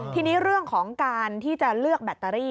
ทีนี้เรื่องของการที่จะเลือกแบตเตอรี่